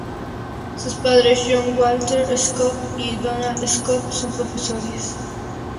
Sus padres, Joan Wallach Scott y Donald Scott, son profesores.